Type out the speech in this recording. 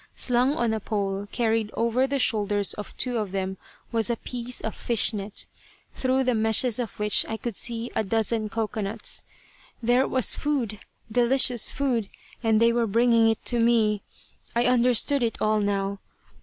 Slung on a pole carried over the shoulders of two of them was a piece of fish net, through the meshes of which I could see a dozen cocoanuts. There was food; delicious food! And they were bringing it to me! I understood it all now.